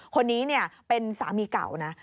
คนนี้เป็นสามีเก่านะ